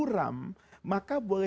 karena dia akan terlihat